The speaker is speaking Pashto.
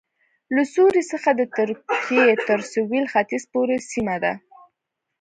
له سوریې څخه د ترکیې تر سوېل ختیځ پورې سیمه ده